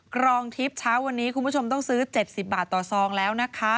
กรองทิพย์เช้าวันนี้คุณผู้ชมต้องซื้อ